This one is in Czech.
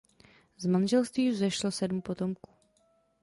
Z manželství vzešlo sedm potomků.